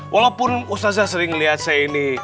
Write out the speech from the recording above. walaupun ustazah sering melihat saya ini